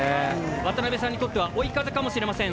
渡さんにとっては追い風かもしれません。